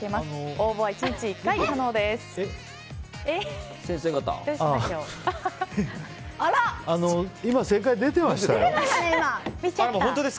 応募は１日１回可能です。